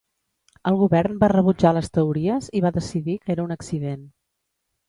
El govern va rebutjar les teories i va decidir que era un accident.